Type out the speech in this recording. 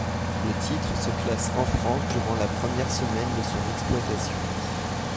Le titre se classe en France durant la première semaine de son exploitation.